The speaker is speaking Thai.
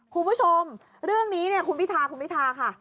คุณผู้ชมเรื่องนี้เนี่ยคุณพิธาคุณพิธาค่ะ